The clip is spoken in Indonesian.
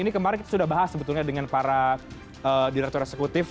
ini kemarin sudah bahas sebetulnya dengan para direktur eksekutif